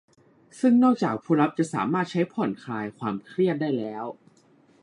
ซึ่งนอกจากผู้รับจะสามารถใช้ผ่อนคลายความเครียดได้แล้ว